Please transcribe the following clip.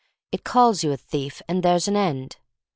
It calls you a thief, and there's an end.